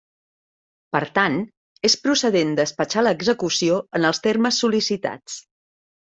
Per tant, és procedent despatxar l'execució en els termes sol·licitats.